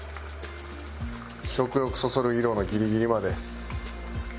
食欲そそる色のギリギリまで。